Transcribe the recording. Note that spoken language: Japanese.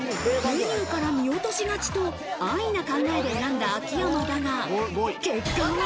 メニューから見落としがちだと、安易な考えで選んだ秋山だが、結果は？